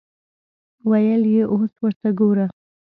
ویل یې اوس ورته ګوره.